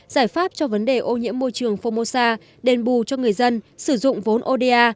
giải pháp cho vấn đề ô nhiễm môi trường phongmosa đền bù cho người dân sử dụng vốn oda